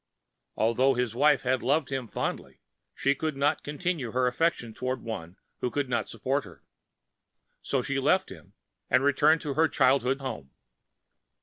Although his Wife had loved him Fondly, she could not Continue her affection toward One who could not Support her, so she left him and Returned to her Childhood's Home.